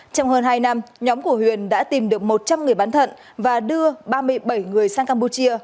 trong hơn hai năm nhóm của huyền đã tìm được một trăm linh người bán thận và đưa ba mươi bảy người sang campuchia